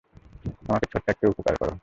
আমাকে ছোট্ট একটা উপকার করো।